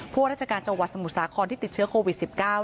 พวกราชการจังหวัดสมุทรสาครที่ติดเชื้อโควิด๑๙